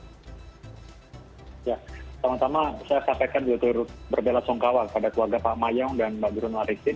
pertama tama saya sampaikan berbela songkawa pada keluarga pak mayong dan mbak gerun larisin